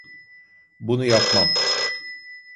Bunu yapmam.